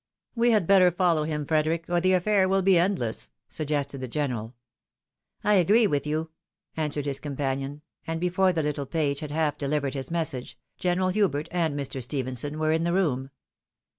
" We had better follow him, Frederic, or the affair will be endless," suggested the general. " I agree with you," answered his companion ; and before the little page had half deUvered his message. General Hubert and Mr. Stephenson were in the room.